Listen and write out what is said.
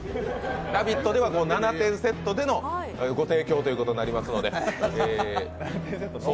「ラヴィット！」では７点セットでのご提供ということになりますので。